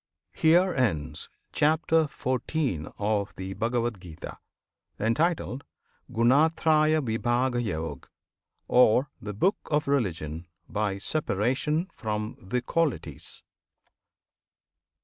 HERE ENDS CHAPTER XIV. OF THE BHAGAVAD GITA Entitled "Gunatrayavibhagayog," Or "The Book of Religion by Separation from the Qualities."